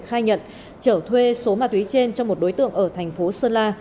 khai nhận trở thuê số ma túy trên cho một đối tượng ở thành phố sơn la